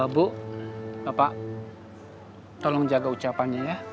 bu bapak tolong jaga ucapannya ya